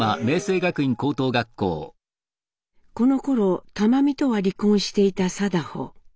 このころ玉美とは離婚していた禎穗。